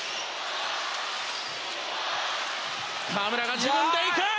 河村が自分で行く！